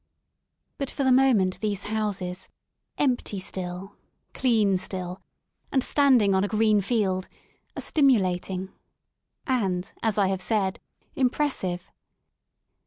But for the moment these houses, empty still, clean still, and standing on a green field, are stimulating, and, as I have said, impressive.